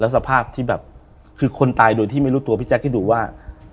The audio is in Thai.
สภาพที่แบบคือคนตายโดยที่ไม่รู้ตัวพี่แจ๊คที่ดูว่า